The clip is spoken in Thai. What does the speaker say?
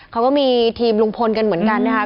เขาก็มีทีมลุงพลกันเหมือนกันนะครับ